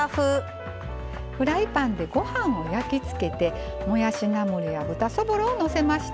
フライパンでご飯を焼き付けてもやしナムルや豚そぼろをのせました。